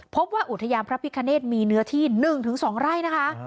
พบว่าอุทยานพระพิคเนธมีเนื้อที่๑๒ไร่นะคะ